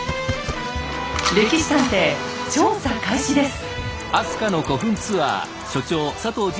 「歴史探偵」調査開始です！